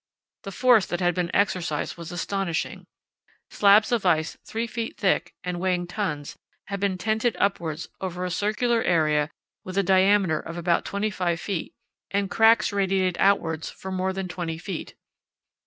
The force that had been exercised was astonishing. Slabs of ice 3 ft. thick, and weighing tons, had been tented upwards over a circular area with a diameter of about 25 ft., and cracks radiated outwards for more than 20 ft.